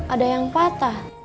ada yang patah